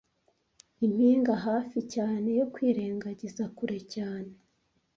Impinga, hafi cyane yo kwirengagiza, kure cyane